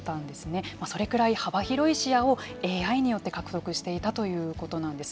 それくらい幅広い視野をＡＩによって獲得していたということなんです。